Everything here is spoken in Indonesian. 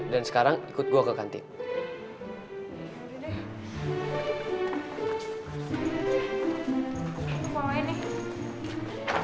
dan sekarang ikut gua ke kantin